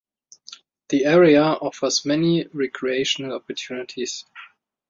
The area offers many recreational opportunities.